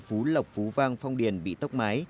phú lộc phú vang phong điền bị tốc mái